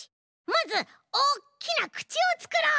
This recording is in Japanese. まずおっきなくちをつくろう！